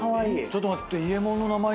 ちょっと待って。